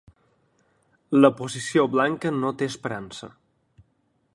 La posició blanca no té esperança.